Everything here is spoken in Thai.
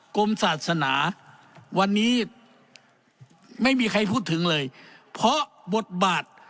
กรมศาสนาวันนี้ไม่มีใครพูดถึงเลยเพราะบทบาท